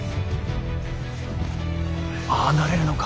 ああなれるのか